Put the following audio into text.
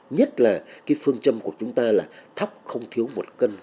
nhất là phương châm của chúng ta là thấp không thiếu một cân